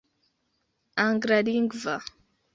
anglalingva